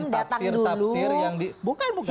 taksir taksir yang di bukan bukan